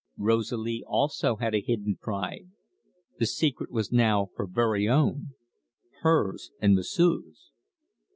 Rosalie also had a hidden pride: the secret was now her very own hers and M'sieu's.